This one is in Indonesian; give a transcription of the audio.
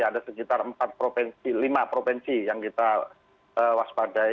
ada sekitar lima provinsi yang kita waspadai